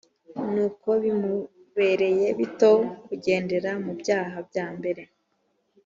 nuko bimubereye bito kugendera mu byaha byambere